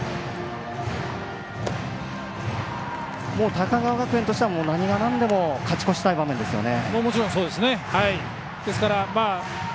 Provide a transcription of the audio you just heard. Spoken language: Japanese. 高川学園としては何がなんでも勝ち越したい場面ですよね。